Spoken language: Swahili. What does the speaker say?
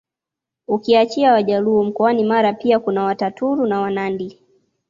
Ukiachia Wajaluo mkoani Mara pia kuna Wataturu na Wanandi